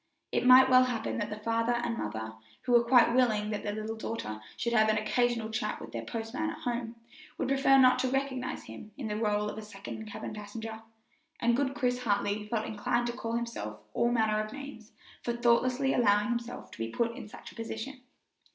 It might well happen that the father and mother, who were quite willing that their little daughter should have an occasional chat with the postman at home, would prefer not to recognize him in the role of a second cabin passenger; and good Chris Hartley felt inclined to call himself all manner of names for thoughtlessly allowing himself to be put in such a position.